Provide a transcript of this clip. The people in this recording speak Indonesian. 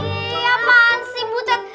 ih apaan sih butet